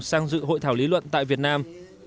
sang dự hội thảo lý luận tại việt nam